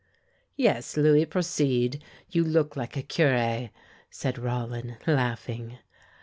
"Yes, Louis, proceed; you look like a curé," said Rollin, laughing.